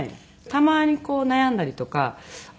たまに悩んだりとかあ